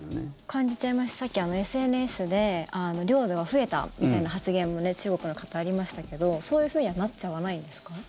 感じちゃいますしさっき、ＳＮＳで領土が増えたみたいな発言も中国の方、ありましたけどそういうふうにはなっちゃわないんですか？